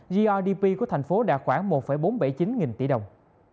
grdp của thành phố đạt khoảng một bốn trăm bảy mươi chín nghìn tỷ đồng